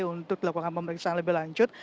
untuk dilakukan pemeriksaan lebih lanjut